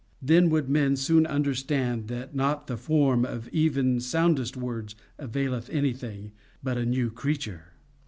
Then would men soon understand that not the form of even soundest words availeth anything, but a new creature.